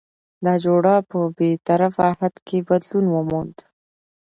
دا جوړه په بې طرفه حد کې بدلون وموند؛